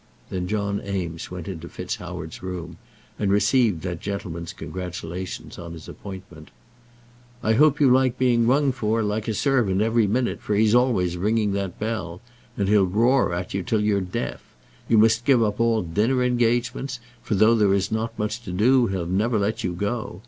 Then John Eames went into FitzHoward's room, and received that gentleman's congratulations on his appointment. "I hope you like being rung for, like a servant, every minute, for he's always ringing that bell. And he'll roar at you till you're deaf. You must give up all dinner engagements, for though there is not much to do, he'll never let you go.